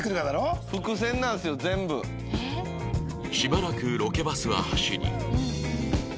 しばらくロケバスは走り